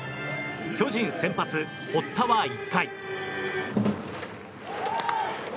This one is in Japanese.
巨人先発、堀田は１回。